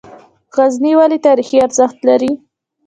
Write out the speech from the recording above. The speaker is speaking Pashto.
غزني ولې تاریخي ارزښت لري؟